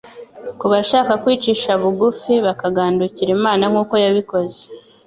kubashaka kwicisha bugufi bakagandukira Imana nk'uko yabikoze.